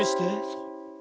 そう。